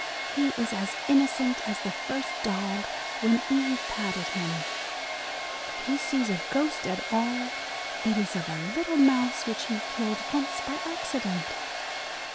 He is as innocent as the first dog when Eve patted him ... If he sees a ghost at all, it is of a little mouse which he killed oooe by accident